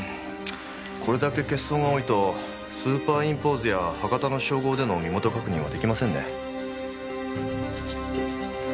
これだけ欠損が多いとスーパーインポーズや歯型の照合での身元確認は出来ませんね。